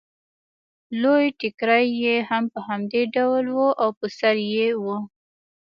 لوی ټکری یې هم په همدې ډول و او پر سر یې و